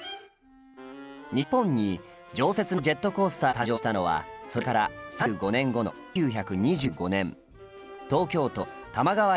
日本に常設のジェットコースターが誕生したのはそれから３５年後の１９２５年。